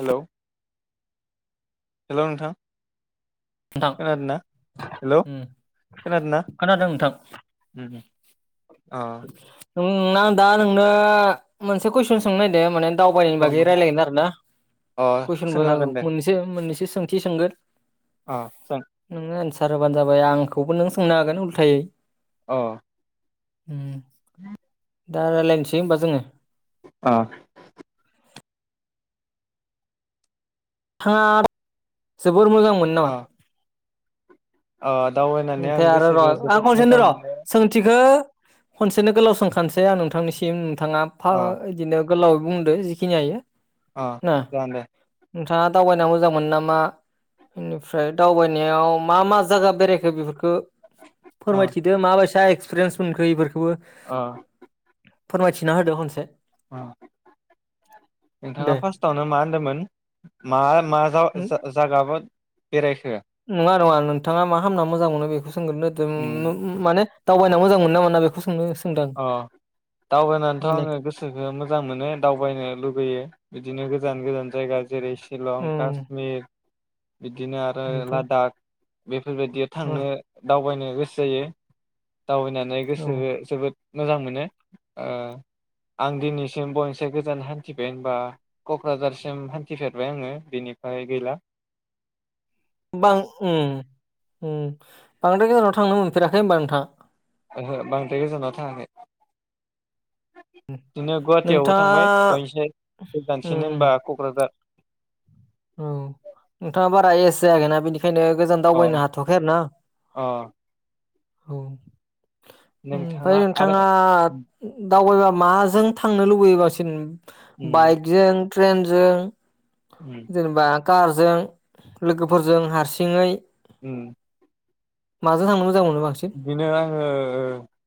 Hello. Hello नोंथां। नोंथां खोनादोंना हेलौ उम खोनादोंना खोनादों नोंथां। हम हम। अ। [unintelligible] मोनसे कुइसन सोंनो नागिरदो माने। दावबायनायनि अ बागै रायलायगोन आरो ना। अ कुइसनबो सोंनो हागोन मोननैसे मोननैसे सो सोंथि सोंगोन। आ सा एनसार होबानो जाबाय आंखौबो नों सोंनो हागोन उल्थायै अह उम [unintelligible] दा रायज्लायनोसै होनबा जोङो आ नोंथाङा जो जोबोर मोजांमोनो नामा? ओ ओमफ्राय आरो र आं खनसेहोनदो र मोनो सोंथिखो खनसेनो गोलाव सोंखानोसै आं नोंथांनिसिम बिथाङा फा अ इदिनो गोलावै बुंदो जिखिनि हायो अ ना जागोन दे नोंथाङा दावबायनो मोजां मोनो नामा बेनिफ्राय दावबायनायाव मा मा जायगा बेरायखो? खो बेफोरखो अ फोरमायथिदो मा बायसा एक्स एक्सपेरियेनस मोनखो इफोरखो? अ बो फोरमायथिना होदो खनसे अ दे नोंथाङा फार्स्टआवनो मा होनदोंमोन? मा? मा जा-जा -जागाबा बेरायखो नङा नङा नोंथाङा मा खामना मोजां मोनो बेखौ सोंग्रोनोदों उम माने दावबायना मोजां मोनो ना मोना बेखौ सोंनो? सोंदां अ दावबायनानैथ आङो नेक्स्ट गोसोखो मोजां मोनो दावबायनो लुुबैयो बिदिनो गोजान गोजान जायगा जेरै सि शिलं काश्मिर बिदिनो आरो ओमफ्राय लादाख बे बेफोरबायदि अ थांनो दावबायनो गोसो जायो दावबायनानै औ गोसोखो जोबोद मोजां मोनो ओ आं दिनैसिम बयनिसिम बांसिन गोजान हान्थिबाय होनबा कक्राझारसिम हान्थिफेरबाय आङो बिनिफ्राय गैला बां ‌उम उम बांद्राय गोजानाव थांनो मोनफेराखै होनबा नोंथां? ओहो बांद्राय गोजानाव थाङाखै। इदिनो गुवाहाटियावबो नोंथाङा थांबाय बयनिसाय गोजानसिन उम होनबा क'क्राझार औ बेखायनो गोजान दावबायनो अ हाथ'खै आरो ना अ औ उमफ्राय नोंथाङा उम उम दावबायबा माजों थांनो लुबैगासिनो उम बाइकजों ट्रेनजों जेनेबा कारजों लोगोफोरजों हारसिङै उम माजों थांनो मोजां मोनो बांसिन बिदिनो आङो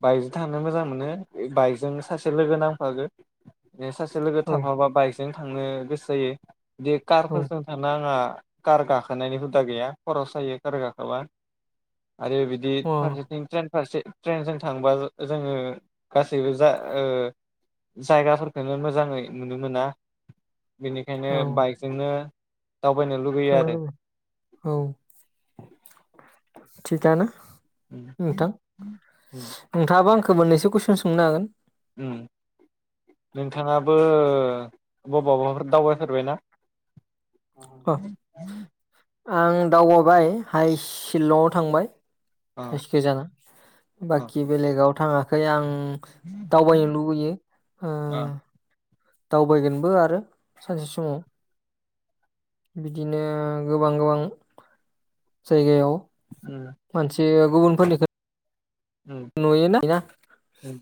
बाइकजों थांनो मोजां मोनो। बाइकजों सासे लोगो नांफागो सासे लोगो औ थाफाबा बाइकजों थांनो गोसो जायो बे औ कारफोरजों थांनो आंहा कार गाखोनायनि हुदा गैया खर' सायो कार गाखोबा आरो बिदि अ फारसेथि ट्रे फारसे ट्रेनजों थांबा जोङो गासैबो जा ओ जायगाफोरखौ मोजाङै नुनो मोना। बेनिखायनो बाइकजोंनो दावबायनो लुगैयो आरो थांनागौ औ थिगानो नोंथां उम नोंथाङाबो खो मोननैसो कुइसन सोंनो हागोन उम नोंथाङाबो बावबाफोर दावबायफेरबायना? अ आं दावबायबाय हाइस सिलंआव थांबाय अ हायेस गोजाना अ बाकि बेलेगाव थाङाखै आं दावबायनो लुबैयो अ ओं दावबायगोनबो आरो सानसे समाव बिदिनो गोबां गोबां जायगायाव उम मोनसे ओ गुबुनफोरनिखो उम नुयो ना उम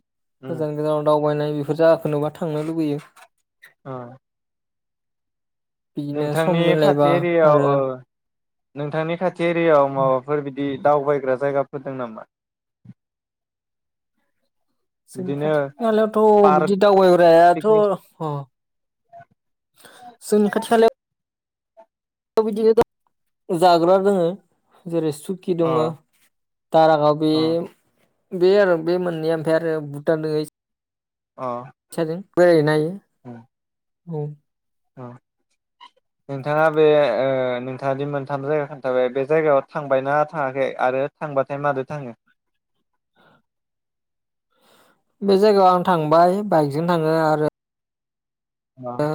उम गोजान गोजानाव दावबायनाय बेफोर जायगाखो नुबा थांनो लुबैयो औ बिदिनो सम नोंथांनि खाथि मिलायबा एरियायाव आरो ओ नोंथांनि खाथि एरियायाव माबाफोर बिदि दावबायग्रा जायगाफोर दं नामा जोंनि बिदिनो खाथि खालायावथ‌ पार्क बिदि दावबायग्रायाथ पिकनिक अह जोंनि खाथि खालायाव बिदिनो जाग्रा दङ जेरै सुकि अ दङो दारागाव बे अ बे आरो बे मोननैया ओमफ्राय आरो भुतान दङ अ सादों बोरायो ना इयो [inaudible] औ अ नोंथाङा बे ओ नोंथाङ दि मोनथाम जायगा खोन्थाबाय बे जायगायाव थांबाय ना थाङाखै आरो थांबाथाय मारै थाङो बे जायगायाव आं थांबाय बाइकजों थाङो आरो अ दा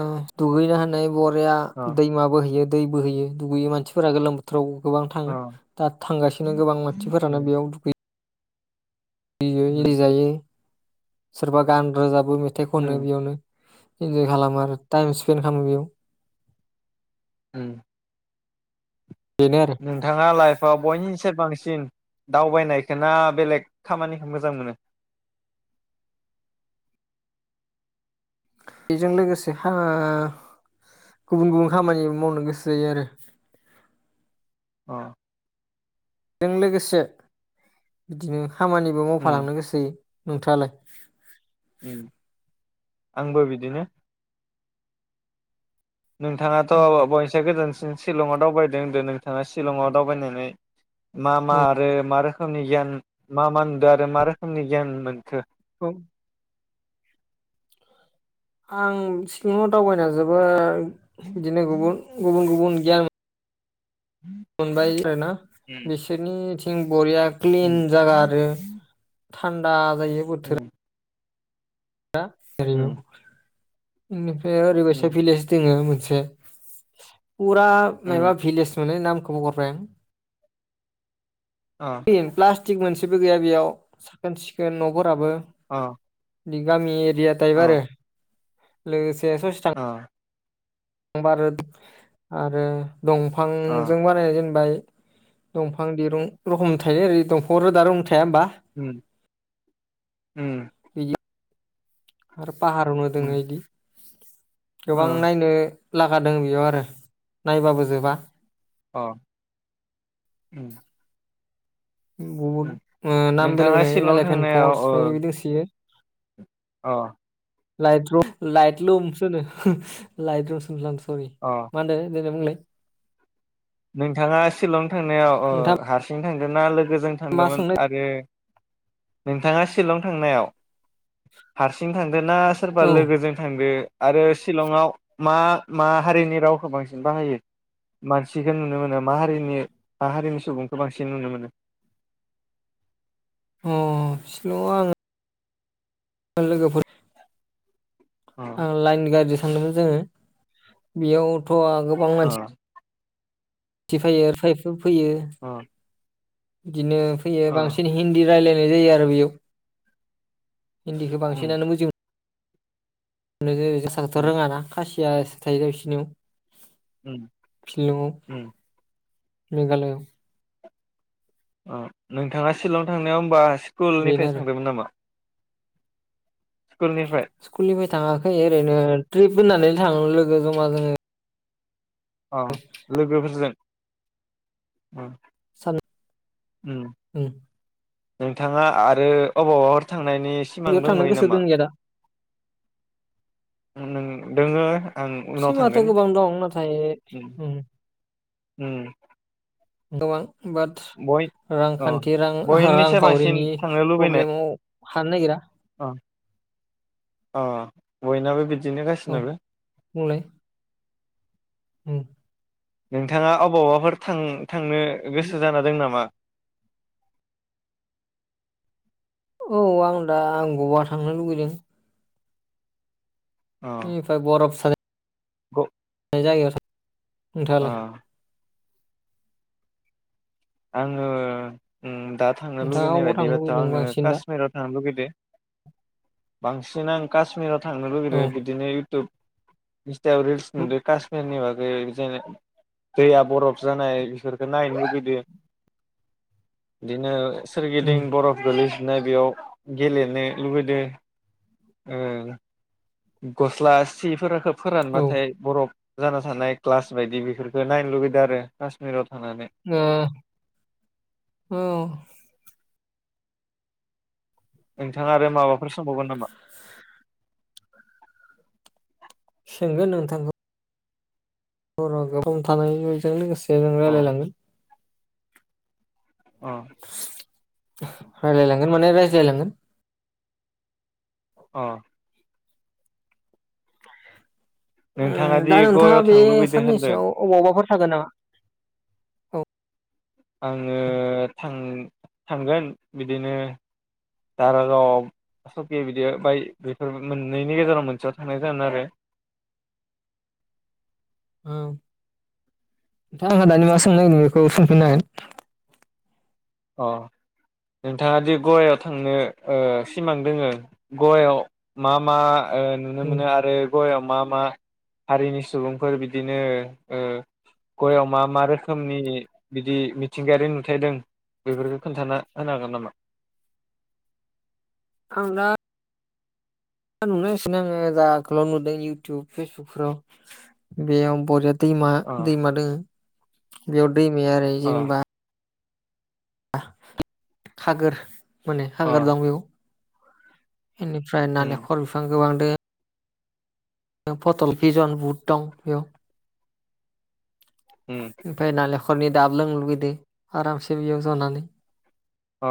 दुगै जाहोनाय बरिया अ दैमा बोहोयो दै बोहोयो दुगैयो मानसिफोरा गोलोम बोथोराव गोबां अ थाङो दा थांगासिनो उम गोबां मानसिफोरानो बेयाव दुगैयो एयो एरि उम जायो सोरबा गान रोजाब बो मेथाइ खनो उम बेयावनो इन्जय खालामो आरो टाइम सिपेन्द खालामो बेयाव उम बेनो आरो नोंथाङा लाइफआव बयनिसाय बांसिन दावबायनायखौ ना बेलेग खामानिखौ मोजां मोनो बेजों लोगोसे ओ गुबुन गुबुन खामानि मावनो गोसो जायो आरो औ जों लोगोसे बिदिनो खामानिबो उम मावफालांनो गोसो जायो नोंथालाय उम आंबो बिदिनो नोंथाङाथ' बयनिसाय गोजोनस शिलंआव दावबायदो होनदो नोंथाङा सिलंआव दावबायनानै मा मा आरो मा रोखोमनि गियान मा मा नुदों आरो मा रोखोमनि गियान मोनखो औ आं सिलंङाव दावबायना जोबोर बिदिनो गुबुन गुबुन गुबुन [unintelligible] मोनबाय आरोना उम बिसोरनि दिन बरिया क्लिन उम जागा आरो थान्दा जायो बोथोरा उम [inaudible] ज उम उम बे ओरैबायसा उम भिलेज दोङो मोन से पुरा उम मायबा भिलेज मोनो नाम खौबो हरबाय आं अ प्लास्टिक मोनसि सिबो गैया बेयाव साखोन सिखोन न'फोराबो अ बिगामि बिया तायब आरो अ लोगोसे ससे थां अ बा रो आरो अ दंफांजों बानायनाय जेनबाय दंफां दिरुं रखम थायो ओरै दंफांङाव रोदारुं थ थाया होमबा? उम्म बिदि आरो पाहारावनो उम दोंङो इदि अ गोबां नायनो लागादों बेयाव आरो नायबाबो जोबा अ उम्म बहुत नाम बेलेग नोंथाङा बेलेग शिलं एलेफेन थांनायाव फल्स इदि दोंसोयो। औ लाइट द्रब लाइट ल्दुमस सो होनो लाइट लुमसो होनफ्लांदो। अ [unintelligible] मा होनो देलाय‌ बुंलाय। नोंथाङा सिलं थांनायाव ओ नोंथाङा हारस सिं थांदोंना लोगो गो जों मा थांदोंमोन सोंनो आरो नोंथाङा सिलं थांनायाव हारसिं थांदों ना सोरबा औ लोगोजों थांदों? आरो सिलंआव मा मा हारिनि रावखौ बांसिन बाहायो मानस सिखौ नुनो मोनो मा हारिनि मा हारिनि सुबुंखौ बांसिन नुनो मोनो? अ सिलंआव' आं [unintelligible] लोगोफोर अ ओ लाइन गारि थांदोंमोन जोङो बेयाव थ' गोबां अ मानसि [inaudible] फैयो बिदिनो फैयो अ बांसिन हिन्दी रायलायनाय जायो। [unintelligible] दा बेयाव हिन्दीखौ उम बांसिनानो मोजों [inaudible] एसेबांथ' उम रोङाना खासि सियासो थायो बिसिनियाव। उम उम मेघालयाव। ओ नोंथाङा सिलं थांनायाव होमबा बेनो स्कुलनिफ्राय आरो थांदोंमोन नामा? स्कुलनिफ्राय स्कुलनिफ्राय थाङाखै ओरैनो ट्रिप होननानै थां लोगो जमा जोङो अ लोगोफोरजों। सान उम नोंथाङा आरो अबावबा फोर‌ थां नायनि सिमां बेयाव थांनो दंबावयो गोसो नामा? दंनिया दा दोङो आं उनाव सिमाङाथ' थांगोन गोबां दं नाथाय उम ओम उम गोबां बाद बय अ रांखान्थि बयनिसाय बांसिन रां-रांखावरिनि थांनो लुबैनाय पब्लेमाव हानो नागिरा। अ अ बयनाबो बिद बिदिनो औ गासिनाबो। बुंलाय उम नोंथाङा अबावबाफोर थां थांनो गोसो जाना दों नामा? औ आं दा गवा थांनो लुुबैदों। अ निफ्राय बरफ [unintelligible] ग [unintelligible] अ नोंथाङालाय? आङो उम दा थांनो नोंथाङा लुुबैनाय अबाव थांनो बायदिबाथ' लुबैदों आङो बांसिन दा कासमीराव थांनो लुगै बे बांसिन आं कासमिराव थांनो औ लुगैदो बिदिनो इउटुब इन्सतायाव रिल्स उम नुदो कासमिरनि बागै जेन दैया बरफ जानाय बेफोरखो नायनो लुगैदो। बिदिनो उम सोरगिदिं बरफ गोलै नो बेयाव गेलेनो लुबैदो ओ गस्ला सिफोरा खोब औ फोरानबाथाय ओ बरफ जाना थानाय ग्लास बायदि बेफोरफोरखो नायनो लुुगैदो आरो कासमिरावथ [unintelligible] नोंथाङा आरो माबाफोर सोंबावगोन नामा? सोंगोन नोंथांखौ बर' गोबां थानायजों लोगोसे जों अ रायलायलांगोन। अ रायलायलांगोन माने रायज्लायलांगोन। अ उम नोंथाङा दि दा नोंथाङा गवायाव बे थांनो लुुबैदो होनदों साननैसोआव अबावबाफोर थागोन नामा औ आङो थां थांगोन बिदिनो दारागाव सकि बिदि बाइक बेफोर मोननैनि गेजेराव मोनसेयाव थांनाय जागोन आरो औ [unintelligible] दानि मा सोंनो नागिर बेखौ सोंफिननो हागोन। अ नोंथाङा दि गवायाव थांनो ओ सिमां दोङो गवायाव मा मा? ओ नुनो मोनो आरो गयाव मा मा? हारिनि सुबुंफोर बिदिनो ओ गवायाव मा मा रोखोमनि बिदि मिथिंगायारि नुथाय दं? बेफोरखौ खोन्थाना होनो हागोन नामा? आं दा [unintelligible] आङो जा आगोलाव नुदों इउटुब फेसबुकफोराव बेयाव बर दैमा अ दैमादो बेआव दैमाया ओरै अ जेनेबा [unintelligible] खागोर माने अ हागार दं बेयाव। बेनिफ्राय उम नालेखर बिफां गोबां दं। [unintelligible] पटल भिजन बुहोद दं बेयाव उम फाय नालेख खरनि दाब लोंनो लुुबैदो आरामसे बेयाव जनानै। अ।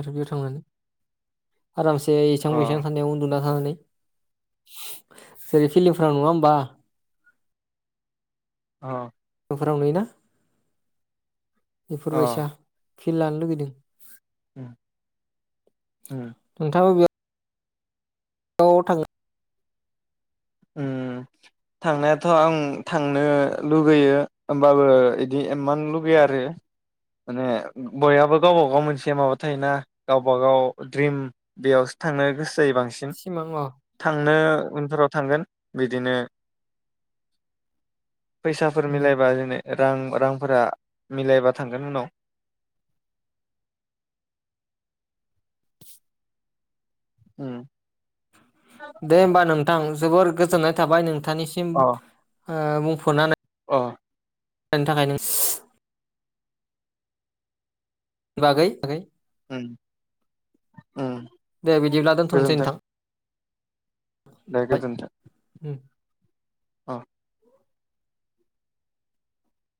आरो बेयाव थांनानै आरामसे एसां अ बैसां थान्दायाव उन्दु [unintelligible] जेरै फिलिमफोराव नुवा होम्बा। अ फोराव नोयो ना। बेफोर बायैसा अ खेल लानो लुबैदों। उम उम। औ थाङो। उम थांनायाथ' आं थांनो लुगैयो होमबाबो इदि इमान लुगैया आरो माने बयहाबो गावबागाव मोनसे माबा थायोना गावबा गाव द्रिम बेयावसो थांनो गोसो जायो बांसिन सिमां अ थांनो [unintelligible] थांगोन बिदिनो फैसाफोर उम। मिलायबा जेने रां रांफोरा मिलायबा थांगोन उनाव। उम। दे होमबा नोंथां जोबोर गोजोन्नाय थाबाय नों थानिसिम। अ ओ बुंफनानै अ बेनि थाखायनो बागै ओम दे बिदिब्ला दोनथनसै नोंथां दे गोजोन्थों उम। अ